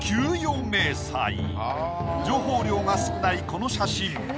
情報量が少ないこの写真。